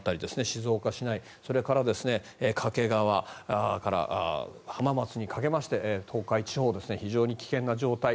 静岡市内、それから掛川から浜松にかけまして東海地方、非常に危険な状態。